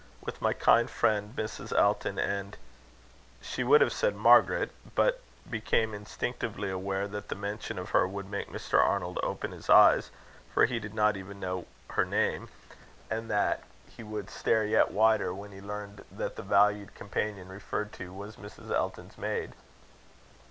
With my kind friend, Mrs. Elton, and " She would have said Margaret, but became instinctively aware that the mention of her would make Mr. Arnold open his eyes, for he did not even know her name; and that he would stare yet wider when he learned that the valued companion referred to was Mrs. Elton's maid.